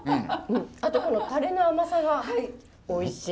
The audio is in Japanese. あとこのタレの甘さがおいしい。